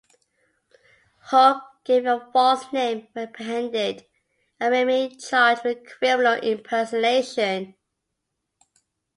Hogue gave a false name when apprehended and may be charged with criminal impersonation.